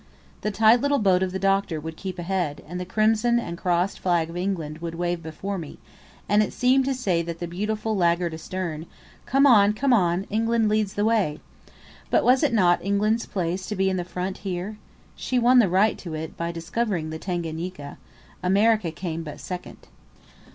The tight little boat of the Doctor would keep ahead, and the crimson and crossed flag of England would wave before me, and it seemed to say to the beautiful laggard astern, "Come on, come on; England leads the way." But was it not England's place to be in the front here? She won the right to it by discovering the Tanganika; America came but second.